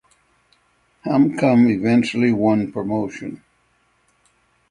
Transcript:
Hamkam eventually won promotion.